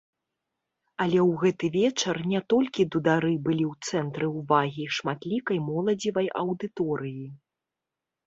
Але ў гэты вечар не толькі дудары былі ў цэнтры ўвагі шматлікай моладзевай аўдыторыі.